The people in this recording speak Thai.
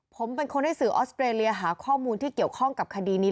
ผมเป็นคนให้สื่อออสเตรเลียหาข้อมูลที่เกี่ยวข้องกับคดีนี้